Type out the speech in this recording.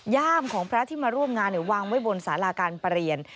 ย่ามของพระที่มาร่วมงานวางไว้บนสาราการประเรียน